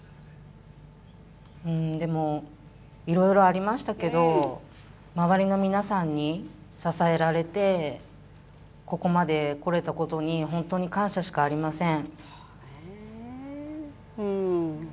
でもいろいろありましたけど、周りの皆さんに支えられてここまで来れたことに本当に感謝しかありません。